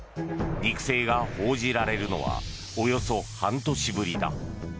肉声が報じられるのはおよそ半年ぶりだ。